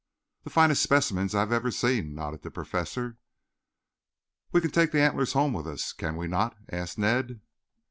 "The finest specimens I have ever seen," nodded the Professor. "We can take the antlers home with us, can we not?" asked Ned.